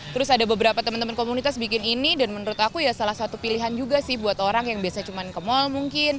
terus ada beberapa teman teman komunitas bikin ini dan menurut aku ya salah satu pilihan juga sih buat orang yang biasa cuma ke mal mungkin